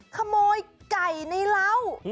ขโมยไก่ในเหล้า